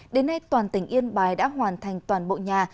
đến nay toàn tỉnh yên bài đã hoàn thành toàn bộ nhà